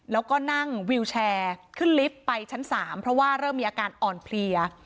แล้วก็นั่งวิวแชร์ขึ้นลิฟต์ไปชั้น๓เพราะว่าเริ่มมีอาการอ่อนเพลีย